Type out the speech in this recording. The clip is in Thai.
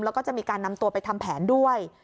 แล้วก็จะมีการนำตัวไปทำแผนด้วย